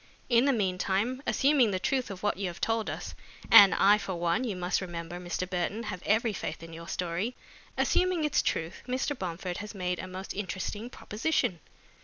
In the meantime, assuming the truth of what you have told us and I for one, you must remember, Mr. Burton, have every faith in your story assuming its truth, Mr. Bomford has made a most interesting proposition."